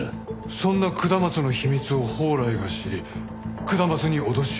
そんな下松の秘密を宝来が知り下松に脅しをかけていた。